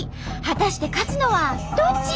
果たして勝つのはどっち！？